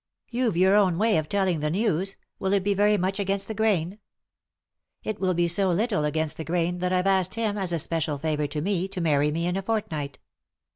" You've your own way of telling the news. Will it be very much against the grain ?"" It will be so little against the grain that I've asked him, as a special favour to me, to marry me in a fortnight."